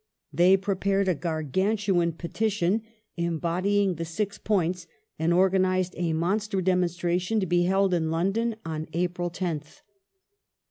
They prepared a gargantuan petition, embodying the " six points," and organized a monster demonstration to be held in London on April 10th.